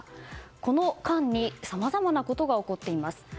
この間に、さまざまなことが起こっています。